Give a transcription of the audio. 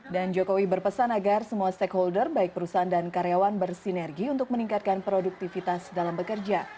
jokowi berpesan agar semua stakeholder baik perusahaan dan karyawan bersinergi untuk meningkatkan produktivitas dalam bekerja